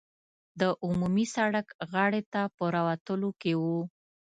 د عمومي سړک غاړې ته په راوتلو کې وو.